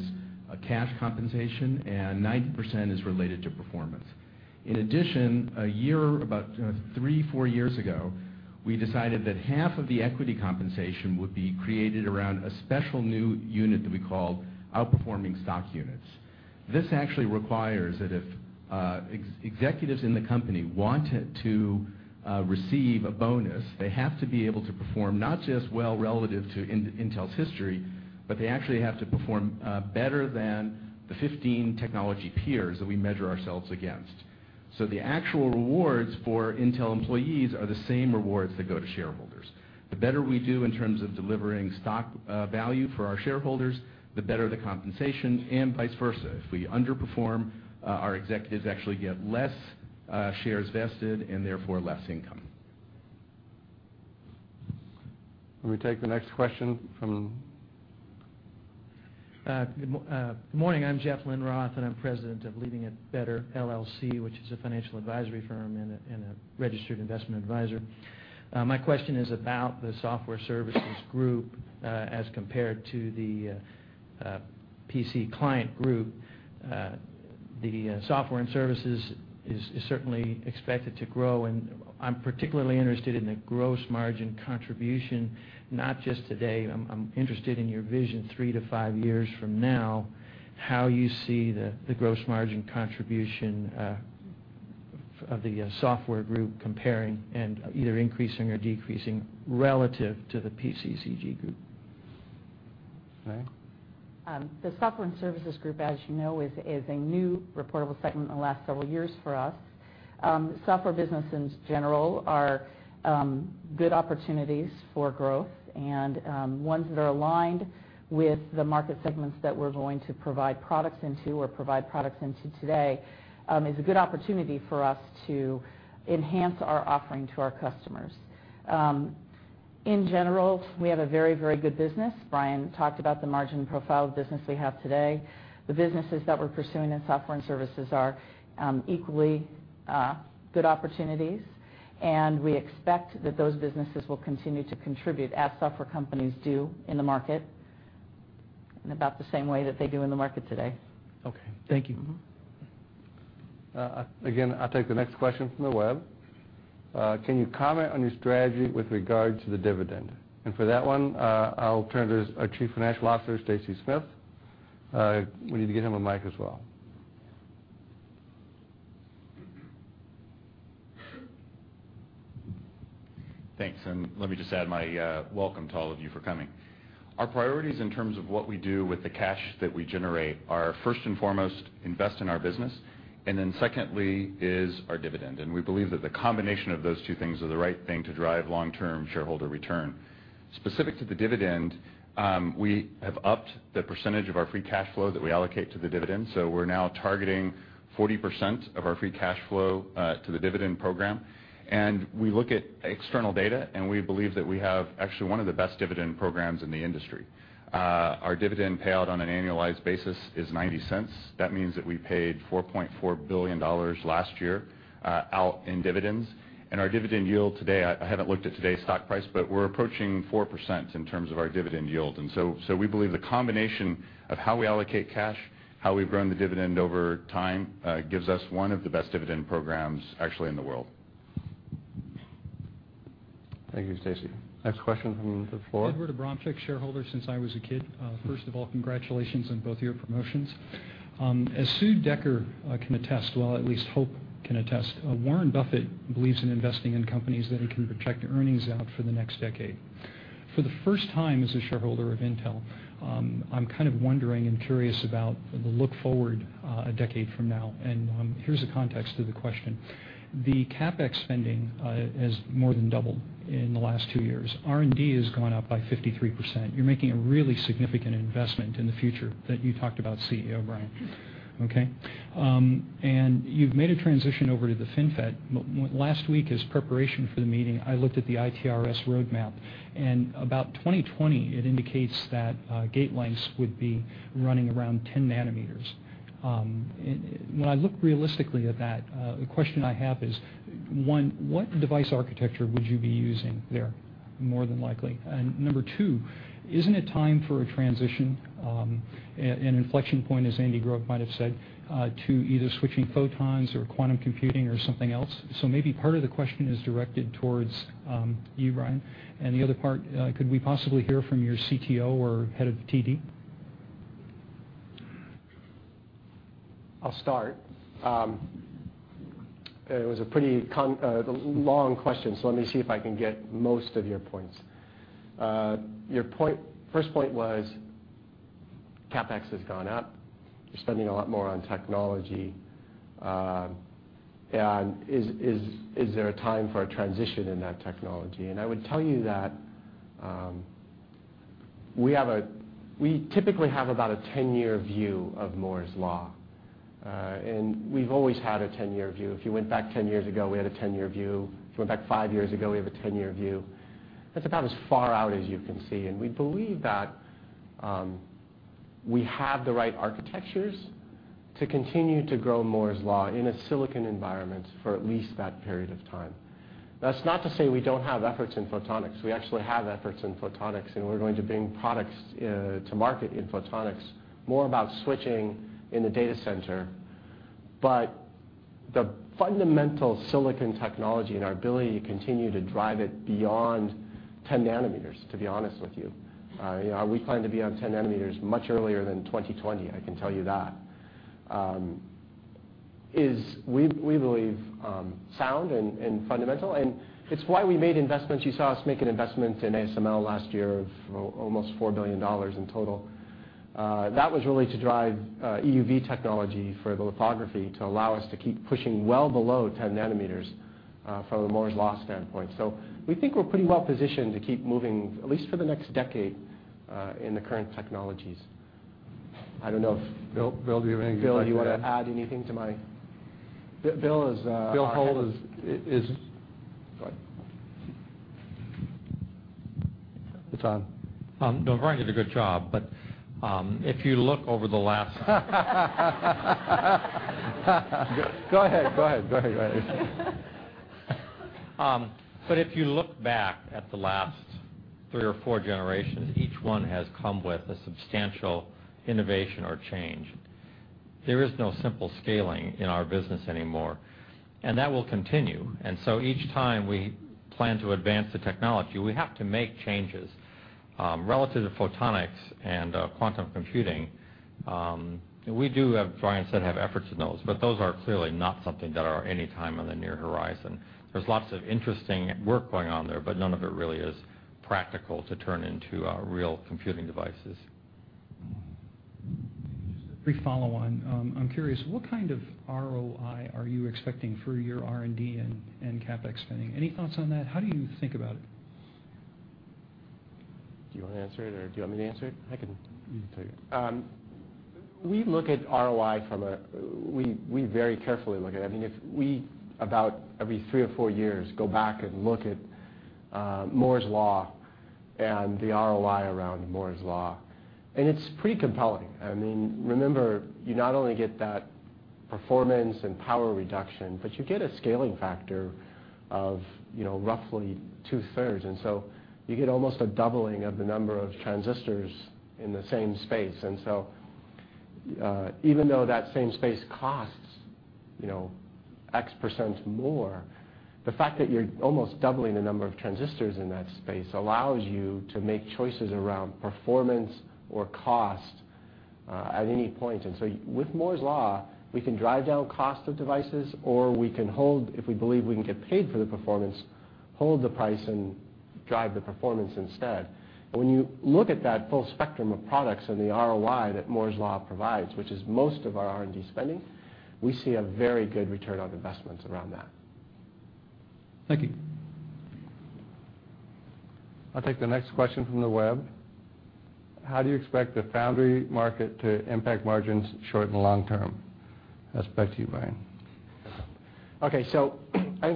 cash compensation, and 90% is related to performance. In addition, about three, four years ago, we decided that half of the equity compensation would be created around a special new unit that we call Outperformance Stock Units. This actually requires that if executives in the company wanted to receive a bonus, they have to be able to perform not just well relative to Intel's history, but they actually have to perform better than the 15 technology peers that we measure ourselves against. The actual rewards for Intel employees are the same rewards that go to shareholders. The better we do in terms of delivering stock value for our shareholders, the better the compensation, and vice versa. If we underperform, our executives actually get less shares vested and therefore less income. Let me take the next question from Good morning. I'm Jeff Lindroth, and I'm President of Leading It Better, LLC, which is a financial advisory firm and a registered investment advisor. My question is about the software services group as compared to the PC Client Group. The software and services is certainly expected to grow, and I'm particularly interested in the gross margin contribution, not just today. I'm interested in your vision three to five years from now, how you see the gross margin contribution of the software group comparing and either increasing or decreasing relative to the PCCG group. Renée? The software and services group, as you know, is a new reportable segment in the last several years for us. Software businesses in general are good opportunities for growth, and ones that are aligned with the market segments that we're going to provide products into or provide products into today, is a good opportunity for us to enhance our offering to our customers. In general, we have a very good business. Brian talked about the margin profile of the business we have today. The businesses that we're pursuing in software and services are equally good opportunities, and we expect that those businesses will continue to contribute, as software companies do in the market, in about the same way that they do in the market today. Okay. Thank you. I'll take the next question from the web. Can you comment on your strategy with regard to the dividend? For that one, I'll turn to our Chief Financial Officer, Stacy Smith. We need to get him a mic as well. Thanks, let me just add my welcome to all of you for coming. Our priorities in terms of what we do with the cash that we generate are, first and foremost, invest in our business, secondly is our dividend. We believe that the combination of those two things are the right thing to drive long-term shareholder return. Specific to the dividend, we have upped the percentage of our free cash flow that we allocate to the dividend. We're now targeting 40% of our free cash flow to the dividend program. We look at external data, we believe that we have actually one of the best dividend programs in the industry. Our dividend payout on an annualized basis is $0.90. That means that we paid $4.4 billion last year out in dividends. Our dividend yield today, I haven't looked at today's stock price, but we're approaching 4% in terms of our dividend yield. We believe the combination of how we allocate cash, how we've grown the dividend over time, gives us one of the best dividend programs actually in the world. Thank you, Stacy. Next question from the floor. Edward Abramczyk, shareholder since I was a kid. First of all, congratulations on both your promotions. As Sue Decker can attest, well, at least Hope can attest, Warren Buffett believes in investing in companies that he can project earnings out for the next decade. For the first time as a shareholder of Intel, I'm kind of wondering and curious about the look forward a decade from now. Here's the context of the question. The CapEx spending has more than doubled in the last two years. R&D has gone up by 53%. You're making a really significant investment in the future that you talked about, CEO Brian. Okay. You've made a transition over to the FinFET. Last week as preparation for the meeting, I looked at the ITRS roadmap, and about 2020, it indicates that gate lengths would be running around 10 nanometers. When I look realistically at that, the question I have is, one, what device architecture would you be using there more than likely? Number two, isn't it time for a transition, an inflection point, as Andy Grove might have said, to either switching photons or quantum computing or something else? Maybe part of the question is directed towards you, Brian, and the other part, could we possibly hear from your CTO or head of TD? I'll start. It was a pretty long question. Let me see if I can get most of your points. Your first point was CapEx has gone up. You're spending a lot more on technology. Is there a time for a transition in that technology? I would tell you that we typically have about a 10-year view of Moore's Law. We've always had a 10-year view. If you went back 10 years ago, we had a 10-year view. If you went back five years ago, we have a 10-year view. That's about as far out as you can see. We believe that we have the right architectures to continue to grow Moore's Law in a silicon environment for at least that period of time. That's not to say we don't have efforts in photonics. We actually have efforts in photonics, we're going to bring products to market in photonics, more about switching in the data center. The fundamental silicon technology and our ability to continue to drive it beyond 10 nanometers, to be honest with you. We plan to be on 10 nanometers much earlier than 2020, I can tell you that, is, we believe, sound and fundamental, and it's why we made investments. You saw us make an investment in ASML last year of almost $4 billion in total. That was really to drive EUV technology for the lithography to allow us to keep pushing well below 10 nanometers from a Moore's Law standpoint. We think we're pretty well positioned to keep moving, at least for the next decade, in the current technologies. Bill, do you have anything you'd like to add? Bill, do you want to add anything? Bill Holt. Go ahead. It's on. No, Brian did a good job, but if you look over the last- Go ahead. If you look back at the last three or four generations, each one has come with a substantial innovation or change. There is no simple scaling in our business anymore, and that will continue. Each time we plan to advance the technology, we have to make changes. Relative to photonics and quantum computing, we do, as Brian said, have efforts in those, but those are clearly not something that are any time on the near horizon. There's lots of interesting work going on there, but none of it really is practical to turn into real computing devices. A follow-on. I'm curious, what kind of ROI are you expecting for your R&D and CapEx spending? Any thoughts on that? How do you think about it? Do you want to answer it, or do you want me to answer it? I can tell you. We very carefully look at ROI. I mean, about every three or four years, we go back and look at Moore's Law and the ROI around Moore's Law, and it's pretty compelling. Remember, you not only get that performance and power reduction, but you get a scaling factor of roughly two-thirds. You get almost a doubling of the number of transistors in the same space. Even though that same space costs x% more, the fact that you're almost doubling the number of transistors in that space allows you to make choices around performance or cost at any point. With Moore's Law, we can drive down cost of devices, or if we believe we can get paid for the performance, hold the price and drive the performance instead. When you look at that full spectrum of products and the ROI that Moore's Law provides, which is most of our R&D spending, we see a very good return on investments around that. Thank you. I'll take the next question from the web. How do you expect the foundry market to impact margins short and long term? That's back to you, Brian. I think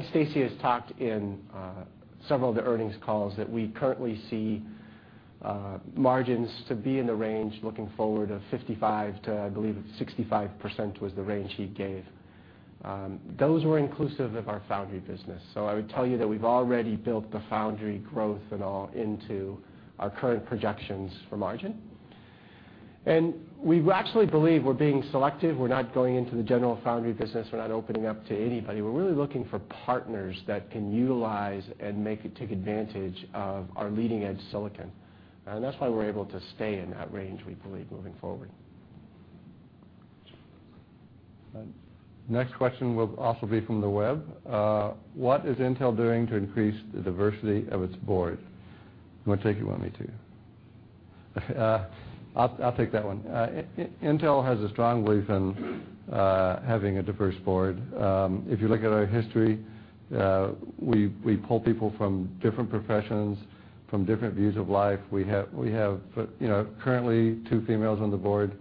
Stacy Smith has talked in several of the earnings calls that we currently see margins to be in the range, looking forward, of 55%-65% was the range he gave. Those were inclusive of our foundry business. I would tell you that we've already built the foundry growth and all into our current projections for margin. We actually believe we're being selective. We're not going into the general foundry business. We're not opening up to anybody. We're really looking for partners that can utilize and take advantage of our leading-edge silicon. That's why we're able to stay in that range, we believe, moving forward. Next question will also be from the web. What is Intel doing to increase the diversity of its board? You want to take it, or you want me to? I'll take that one. Intel has a strong belief in having a diverse board. If you look at our history, we pull people from different professions, from different views of life. We have currently two females on the board,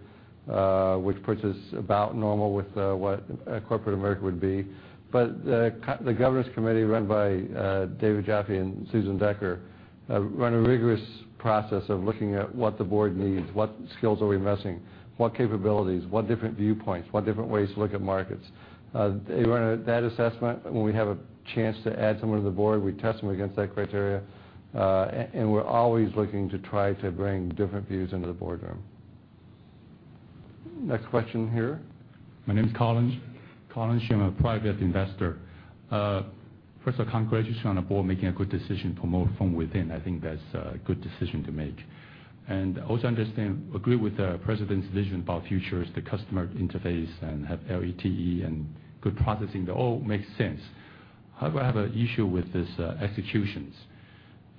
which puts us about normal with what corporate America would be. The governance committee, run by David Yoffie and Susan Decker, run a rigorous process of looking at what the board needs, what skills are we missing, what capabilities, what different viewpoints, what different ways to look at markets. They run that assessment, and when we have a chance to add someone to the board, we test them against that criteria, and we're always looking to try to bring different views into the boardroom. Next question here. My name is Colin Sheung, a private investor. First of all, congratulations on the board making a good decision to promote from within. I think that's a good decision to make. Also, I agree with the president's vision about futures, the customer interface, and have LTE and good processing. That all makes sense. However, I have an issue with these executions.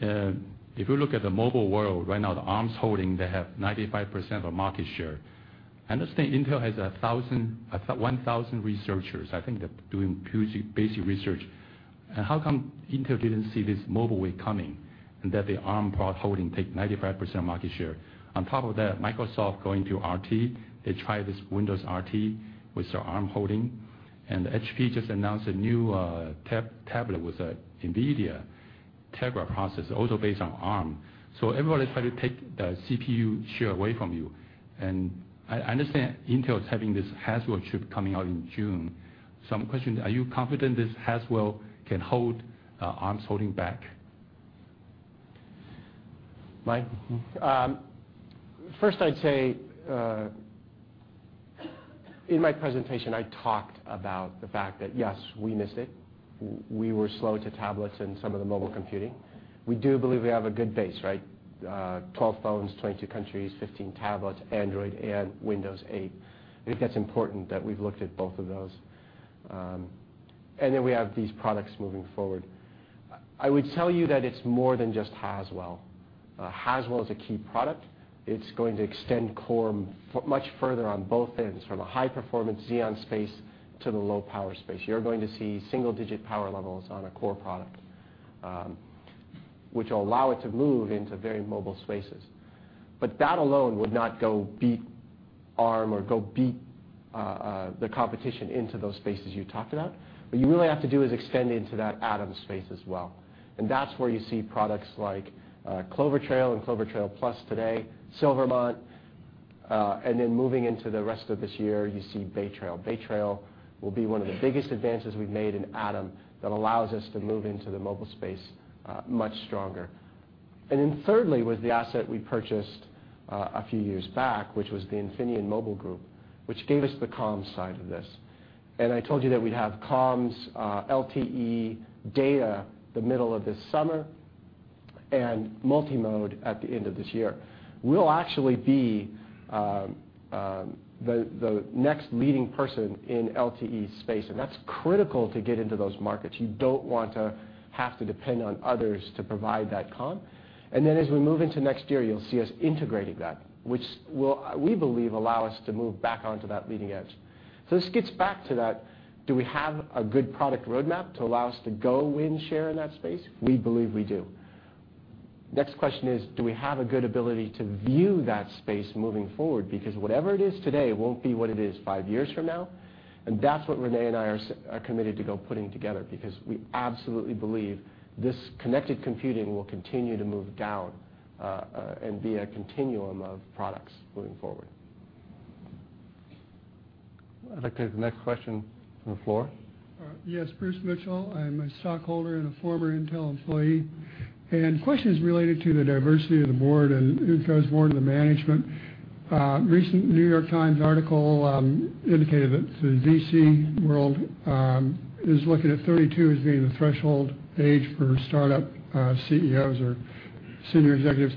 If you look at the mobile world right now, the ARM Holdings, they have 95% of market share. I understand Intel has 1,000 researchers. I think they're doing basic research. How come Intel didn't see this mobile wave coming, and that the ARM part holding take 95% of market share? On top of that, Microsoft going to RT. They try this Windows RT with their ARM Holdings, and HP just announced a new tablet with a NVIDIA Tegra processor, also based on ARM. Everybody's trying to take the CPU share away from you. I understand Intel is having this Haswell chip coming out in June. My question, are you confident this Haswell can hold ARM's holding back? Brian? First, I'd say, in my presentation, I talked about the fact that, yes, we missed it. We were slow to tablets and some of the mobile computing. We do believe we have a good base. 12 phones, 22 countries, 15 tablets, Android, and Windows 8. I think that's important that we've looked at both of those. We have these products moving forward. I would tell you that it's more than just Haswell. Haswell is a key product. It's going to extend Core much further on both ends, from a high-performance Xeon space to the low-power space. You're going to see single-digit power levels on a Core product, which will allow it to move into very mobile spaces. That alone would not go beat ARM or go beat the competition into those spaces you talked about. What you really have to do is extend into that Atom space as well. That's where you see products like Clover Trail and Clover Trail Plus today, Silvermont, moving into the rest of this year, you see Bay Trail. Bay Trail will be one of the biggest advances we've made in Atom that allows us to move into the mobile space much stronger. Thirdly, with the asset we purchased a few years back, which was the Infineon Mobile Group, which gave us the comms side of this. I told you that we'd have comms, LTE, data the middle of this summer. Multi-mode at the end of this year. We'll actually be the next leading person in LTE space, and that's critical to get into those markets. You don't want to have to depend on others to provide that comm. As we move into next year, you'll see us integrating that, which we believe will allow us to move back onto that leading edge. This gets back to that, do we have a good product roadmap to allow us to go win share in that space? We believe we do. Next question is, do we have a good ability to view that space moving forward? Because whatever it is today, it won't be what it is five years from now. That's what Renée and I are committed to go putting together, because we absolutely believe this connected computing will continue to move down, and be a continuum of products moving forward. I'd like to take the next question from the floor. Yes, Bruce Mitchell. I'm a stockholder and a former Intel employee. The question is related to the diversity of the board and goes more into the management. A recent New York Times article indicated that the VC world is looking at 32 as being the threshold age for startup CEOs or senior executives.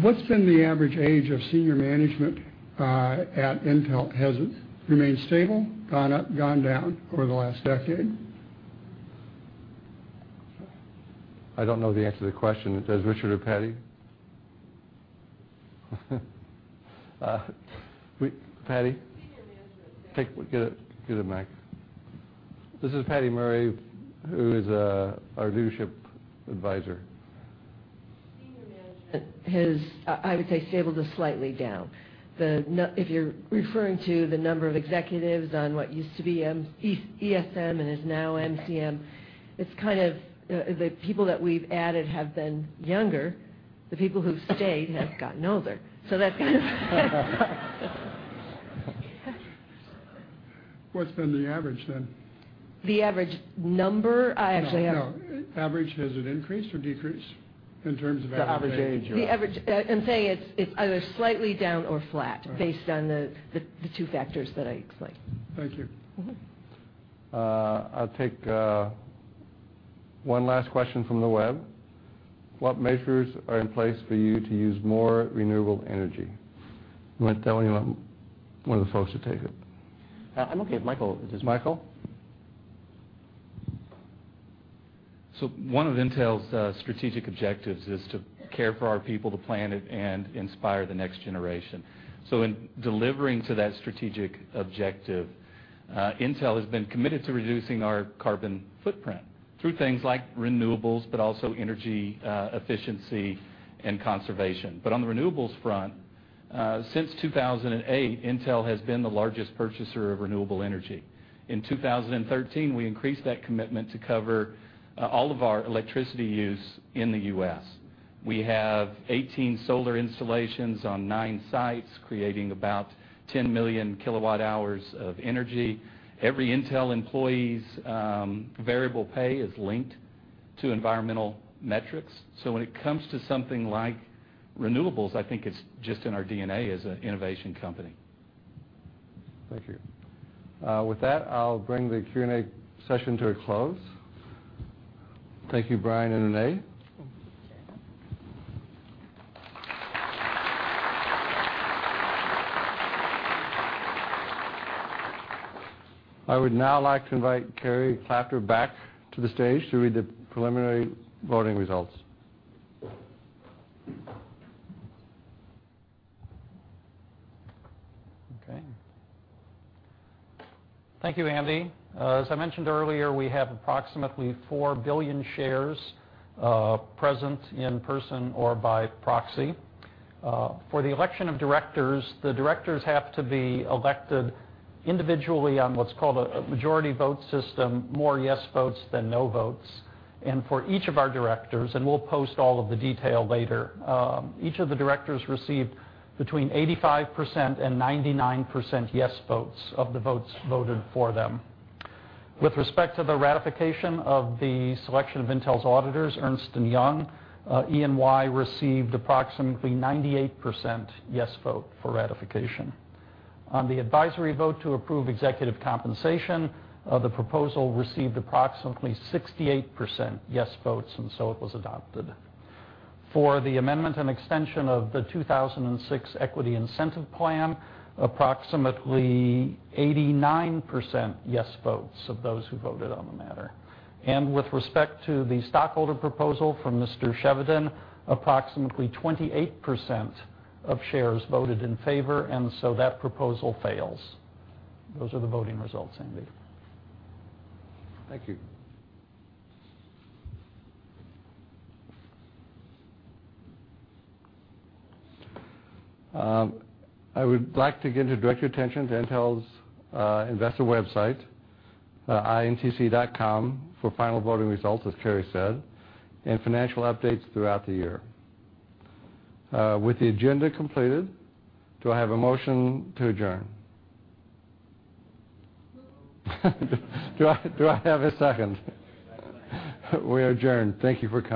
What's been the average age of senior management at Intel? Has it remained stable, gone up, gone down over the last decade? I don't know the answer to the question. Does Richard or Patty? Patty? Senior management- Give her the mic. This is Patricia Murray, who is our leadership advisor. Senior management has, I would say, stable to slightly down. If you're referring to the number of executives on what used to be ESM and is now MCM, the people that we've added have been younger. The people who've stayed have gotten older. What's been the average then? The average number? No. Has it increased or decreased in terms of average age? The average age. I'd say it's either slightly down or flat based on the two factors that I explained. Thank you. I'll take one last question from the web. What measures are in place for you to use more renewable energy? You want to tell him, or you want one of the folks to take it? I'm okay. Michael? One of Intel's strategic objectives is to care for our people, the planet, and inspire the next generation. In delivering to that strategic objective, Intel has been committed to reducing our carbon footprint through things like renewables, but also energy efficiency and conservation. On the renewables front, since 2008, Intel has been the largest purchaser of renewable energy. In 2013, we increased that commitment to cover all of our electricity use in the U.S. We have 18 solar installations on nine sites, creating about 10 million kilowatt hours of energy. Every Intel employee's variable pay is linked to environmental metrics. When it comes to something like renewables, I think it's just in our DNA as an innovation company. Thank you. With that, I'll bring the Q&A session to a close. Thank you, Brian and Renée. Thank you. I would now like to invite Cary Klafter back to the stage to read the preliminary voting results. Okay. Thank you, Andy. As I mentioned earlier, we have approximately 4 billion shares present in person or by proxy. For the election of directors, the directors have to be elected individually on what's called a majority vote system, more yes votes than no votes. For each of our directors, we'll post all of the detail later, each of the directors received between 85%-99% yes votes of the votes voted for them. With respect to the ratification of the selection of Intel's auditors, Ernst & Young, E&Y received approximately 98% yes vote for ratification. On the advisory vote to approve executive compensation, the proposal received approximately 68% yes votes, it was adopted. For the amendment and extension of the 2006 Equity Incentive Plan, approximately 89% yes votes of those who voted on the matter. With respect to the stockholder proposal from Mr. Chevedden, approximately 28% of shares voted in favor, that proposal fails. Those are the voting results, Andy. Thank you. I would like to direct your attention to Intel's investor website, intc.com, for final voting results, as Cary said, and financial updates throughout the year. With the agenda completed, do I have a motion to adjourn? Moved. Do I have a second? Second. We adjourn. Thank you for coming.